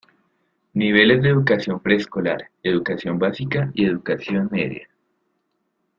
Niveles de educación preescolar, educación básica y educación media.